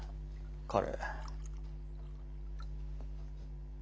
彼。